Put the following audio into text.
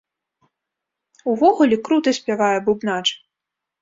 Увогуле крута спявае бубнач!